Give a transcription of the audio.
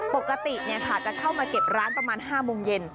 ปกติจะเข้ามาเก็บร้านประมาณ๕โมงเย็น